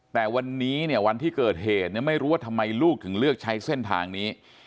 แต่วันนี้เนี่ยวันที่เกิดเหตุไม่รู้ว่าทำไมลูกถึงเลือกใช้เส้นทางนี้